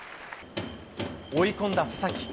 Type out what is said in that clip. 追い込んだ佐々木。